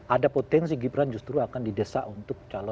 ada potensi gibran justru akan didesak untuk calon